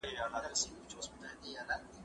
هغه څوک چي مېوې وچوي قوي وي!؟